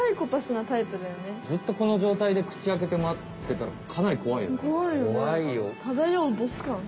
ずっとこのじょうたいで口あけてまってたらかなりこわいよね。